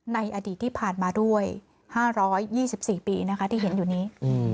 ในอดีตที่ผ่านมาด้วยห้าร้อยยี่สิบสี่ปีนะคะที่เห็นอยู่นี้